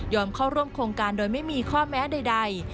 เข้าร่วมโครงการโดยไม่มีข้อแม้ใด